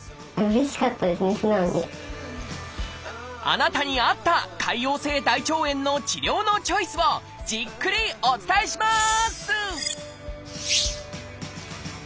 あなたに合った潰瘍性大腸炎の治療のチョイスをじっくりお伝えします！